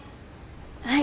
はい。